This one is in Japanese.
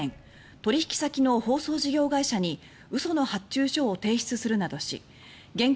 取引先の放送事業会社に嘘の発注書を提出するなどし現金